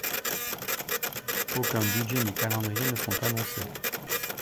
Aucun budget ni calendrier ne sont annoncés.